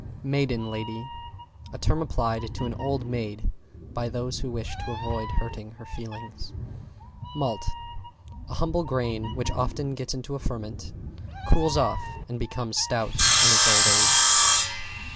=MAIDEN LADY= A term applied to an old maid by those who wish to avoid hurting her feelings. =MALT= A humble grain which often gets into a ferment, cools off and becomes Stout in its old age.